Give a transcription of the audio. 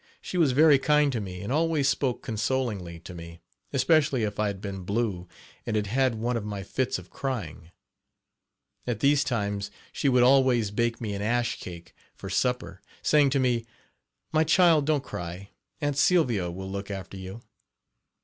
She was very kind to me and always spoke consolingly to me, especially if I had been blue, and had had one of my fits of crying. At these times she would always bake me an ash cake for supper, saying to me: "My child, don't cry; 'Aunt Sylvia' will look after you."